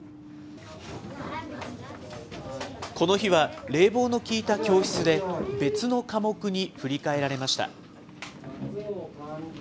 この日は、冷房の効いた教室で別の科目に振り替えられました。